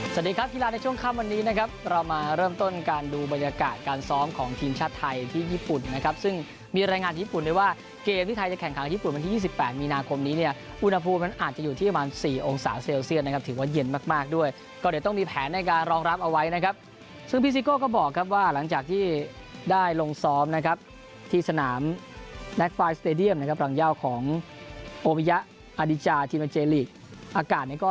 สวัสดีครับธีราชในช่วงค่ำวันนี้นะครับเรามาเริ่มต้นการดูบรรยากาศการซ้อมของทีมชาติไทยที่ญี่ปุ่นนะครับซึ่งมีรายงานญี่ปุ่นเลยว่าเกมที่ไทยจะแข่งขังญี่ปุ่นวันที่๒๘มีนาคมนี้เนี่ยอุณหภูมิมันอาจจะอยู่ที่ประมาณสี่องศาเซลเซียนนะครับถือว่าเย็นมากมากด้วยก็เดี๋ยวต้องมีแผนในการ